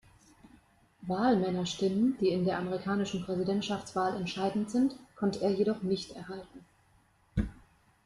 Wahlmännerstimmen, die in der amerikanischen Präsidentschaftswahl entscheidend sind, konnte er jedoch nicht erhalten.